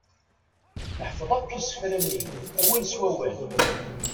Neḥfeḍ akk isefra-nni awal s wawal.